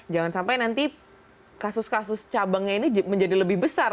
jangan sampai nanti kasus kasus cabangnya ini menjadi lebih besar